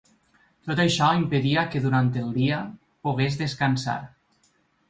Tot això impedia que durant el dia pogués descansar.